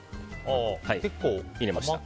結構入れました。